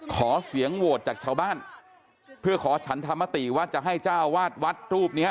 ขอเสียงโหวตจากชาวบ้านเพื่อขอฉันธรรมติว่าจะให้เจ้าวาดวัดรูปเนี้ย